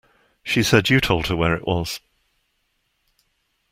She said you told her where it was.